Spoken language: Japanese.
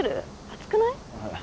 暑くない？